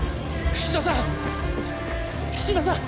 菱田さん！